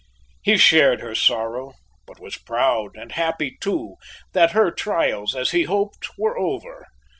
He shared her sorrow, but was proud and happy too that her trials, as he hoped, were over.